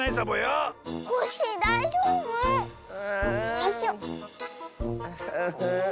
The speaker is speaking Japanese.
よいしょ。